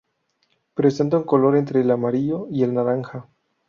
Presenta un color entre el amarillo y el naranja.